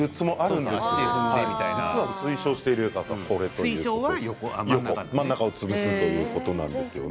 推奨されているものは真ん中を潰すということなんですよね。